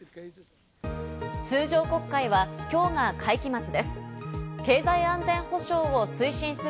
通常国会は今日が会期末です。